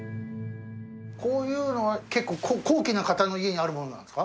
こういうのは結構高貴な方の家にあるものなんですか？